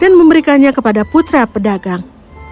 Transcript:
dan memberikannya kepada putra pedagang